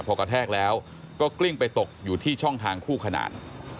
พอกระแทกแล้วก็กลิ้งไปตกอยู่ที่ช่องทางคู่ขนาน